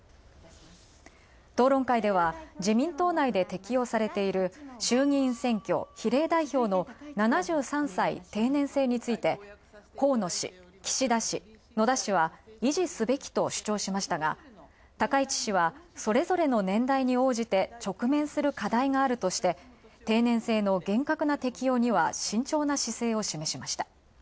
討論会では自民党内で適用されている、衆院選比例代表の７３歳定年制について、河野氏、岸田氏、野田氏は維持すべきと主張しましたが高市氏はそれぞれの年代に応じて直面する課題があるとして、定年制の厳格な適用には慎重な姿勢を示しました。